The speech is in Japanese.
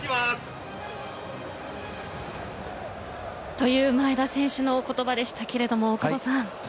という前田選手の言葉でしたが大久保さん。